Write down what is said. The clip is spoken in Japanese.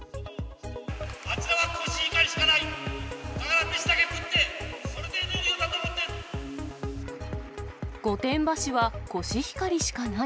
あちらはコシヒカリしかない。